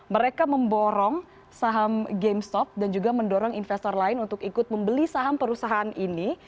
mereka memborong saham gamestop dan juga mendorong investor lain untuk ikut membeli saham perusahaan ini